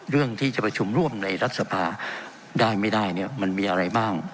เรื่องที่จะประชุมร่วมในรัฐสภาได้ไม่ได้เนี่ยมันมีอะไรบ้าง